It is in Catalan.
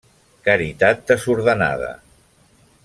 Caritat desordenada.